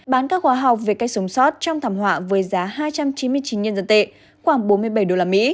bán các khóa học về cách sống sót trong thảm họa với giá hai trăm chín mươi chín nhân dân tệ khoảng bốn mươi bảy usd